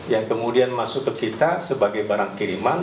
yang kemudian masuk ke kita sebagai barang kiriman